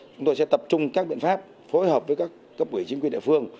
chúng tôi sẽ tập trung các biện pháp phối hợp với các cấp quỷ chính quyền địa phương